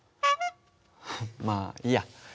まあいいや。